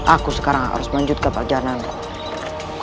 aku sekarang harus lanjut ke perjalananku